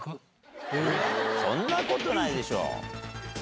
そんなことないでしょ。